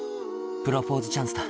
「プロポーズチャンスだ